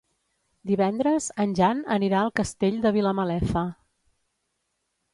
Divendres en Jan anirà al Castell de Vilamalefa.